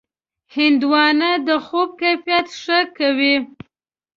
هندوانه د خوب کیفیت ښه کوي.